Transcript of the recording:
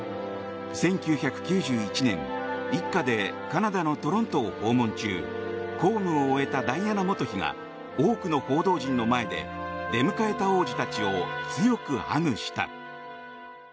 １９９１年一家でカナダのトロントを訪問中公務を終えたダイアナ元妃が多くの報道陣の前で出迎えた王子たちを強くハグした。